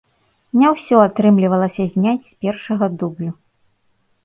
Не ўсё атрымлівалася зняць з першага дублю.